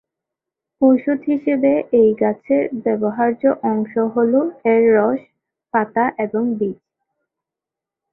ঔষধ হিসাবে এই গাছের ব্যবহার্য অংশ হলো এর রস, পাতা এবং বীজ।